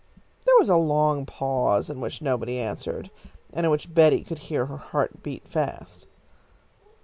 There was a long pause in which nobody answered, and in which Betty could hear her heart beat fast.